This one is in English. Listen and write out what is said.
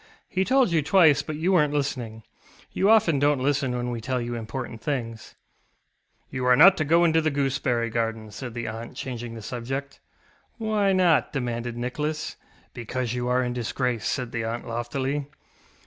ŌĆ£He told you twice, but you werenŌĆÖt listening. You often donŌĆÖt listen when we tell you important things. ŌĆØ ŌĆ£You are not to go into the gooseberry garden, ŌĆØ said the aunt, changing the subject. ŌĆ£Why not? ŌĆØ demanded Nicholas. ŌĆ£Because you are in disgrace, ŌĆØ said the aunt loftily.